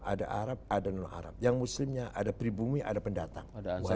ada arab ada non arab yang muslimnya ada pribumi ada pendatang